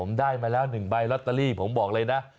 ผมได้มาแล้ว๑ใบลอตเตอรี่ผมบอกเลยนะ